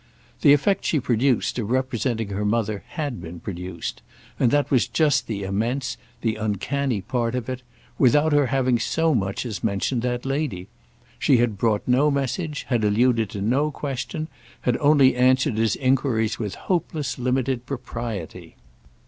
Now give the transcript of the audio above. The effect she produced of representing her mother had been produced—and that was just the immense, the uncanny part of it—without her having so much as mentioned that lady. She had brought no message, had alluded to no question, had only answered his enquiries with hopeless limited propriety.